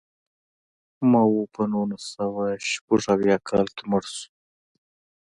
ماوو په نولس سوه شپږ اویا کال کې مړ شو.